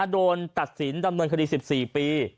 โดนตัดสินดำเนินคดี๑๔ปี